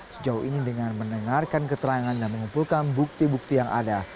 sejauh ini dengan mendengarkan keterangan dan mengumpulkan bukti bukti yang ada